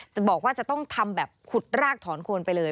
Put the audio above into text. จะบอกว่าจะต้องทำแบบขุดรากถอนโคนไปเลย